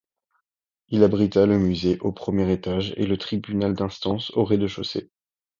Il abrita le musée au premier étage et le tribunal d'instance au rez-de-chaussée.